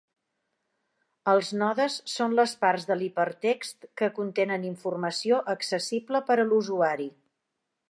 Els nodes són les parts de l'hipertext que contenen informació accessible per a l'usuari.